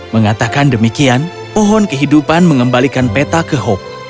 mengatakan demikian pohon kehidupan mengembalikan peta ke hope